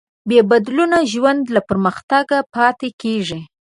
بېبدلونه ژوند له پرمختګه پاتې کېږي.